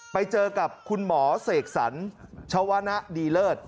ไปเจอกับคุณหมอเสกสรรชวนะดีเลิศ